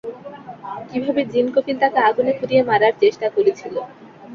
কীভাবে জিন কফিল তাঁকে আগুনে পুড়িয়ে মারার চেষ্টা করেছিল।